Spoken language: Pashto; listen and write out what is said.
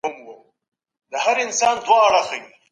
ملکي وګړي د غونډو جوړولو قانوني اجازه نه لري.